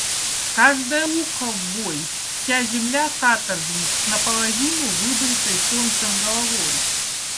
В каждое ухо ввой: вся земля — каторжник с наполовину выбритой солнцем головой!